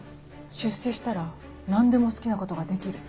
出世したら何でも好きなことができる。